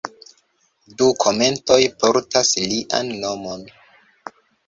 Du kometoj portas lian nomon.